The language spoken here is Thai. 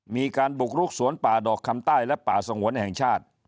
มีการบุกลุกสวนป่าดอกคำใต้และป่าสงวนแห่งชาติ